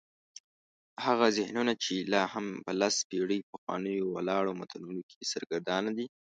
هغه ذهنونه چې لا هم په لس پېړۍ پخوانیو ولاړو متونو کې سرګردانه دي.